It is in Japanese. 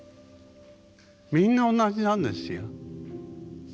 みんな同じなんですよ。